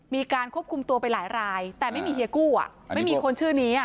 มีการควบคุมตัวไปหลายรายแต่ไม่มีเฮียกู้ไม่มีคนชื่อนี้